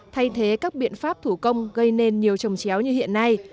thay thế các biện pháp thủ công gây nên nhiều trồng chéo như hiện nay